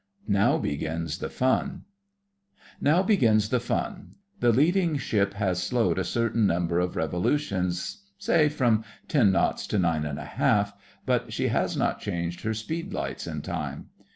NOW BEGINS THE FUN Now begins the fun. The leading ship has slowed a certain number of revolutions—say, from ten knots to nine and a half; but she has not changed her speed lights in time.